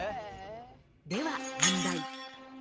では問題。